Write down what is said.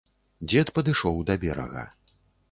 Дзед падышоў да берага.